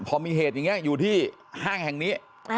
พอมีเหตุอย่างนี้อยู่ที่ห้างแห่งนี้